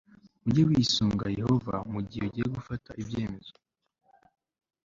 uge wisunga yehova mu gihe ugiye gufata ibyemezo